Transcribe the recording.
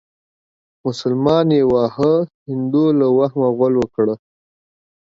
مسلمان يې واهه هندو له وهمه غول وکړه.